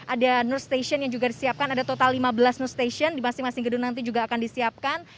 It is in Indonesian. ada nur station yang juga disiapkan ada total lima belas nur station di masing masing gedung nanti juga akan disiapkan